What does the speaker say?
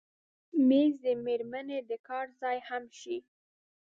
مېز د مېرمنې د کار ځای هم شي.